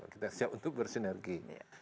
kita siap untuk bersinergi